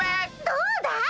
どうだい？